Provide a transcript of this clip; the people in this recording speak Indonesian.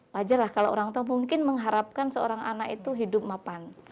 wajar lah kalau orang tua mungkin mengharapkan seorang anak itu hidup mapan